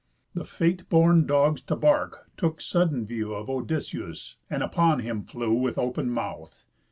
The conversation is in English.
The fate born dogs to bark took sudden view Of Odyssëus, and upon him flew With open mouth.